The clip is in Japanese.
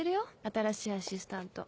新しいアシスタント。